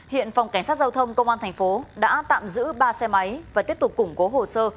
hiện phòng cảnh sát giao thông công an thành phố đã tạm giữ ba xe máy và tiếp tục củng cố hồ sơ